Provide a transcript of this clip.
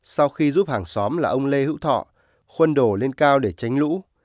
sau khi giúp hàng xóm là ông lê hữu thọ khuân đồ lên cao để tránh lũ